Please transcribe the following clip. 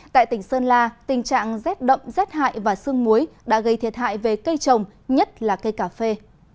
tại tỉnh sơn la tình trạng rét đậm rét hại và sương muối đã gây thiệt hại về cây trồng nhất là cây cà phê